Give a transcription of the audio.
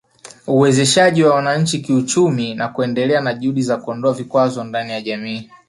Uwezeshaji wa wananchi kiuchumi na kuendelea na juhudi za kuondoa vikwazo ndani ya jamii